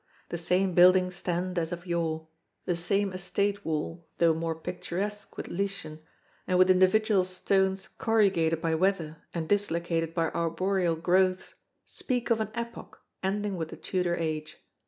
The same buildings stand as of yore; the same estate wall, though more picturesque with lichen, and with individual stones corrugated by weather and dislocated by arboreal growths, speak of an epoch ending with the Tudor age.